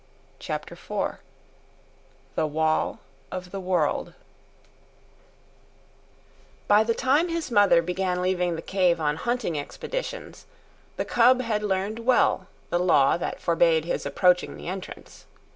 CHAPTER IV THE WALL OF THE WORLD By the time his mother began leaving the cave on hunting expeditions, the cub had learned well the law that forbade his approaching the entrance.